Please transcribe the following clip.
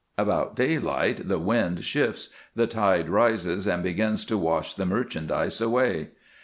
About daylight the wind shifts, the tide rises and begins to wash the merchandise away.